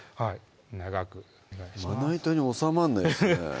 長くお願いしますまな板に収まんないですね